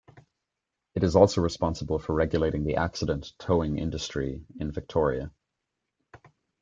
It is also responsible for regulating the accident towing industry in Victoria.